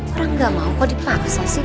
orang gak mau kok dipaksa sih